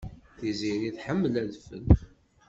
Tiziri tḥemmel adfel.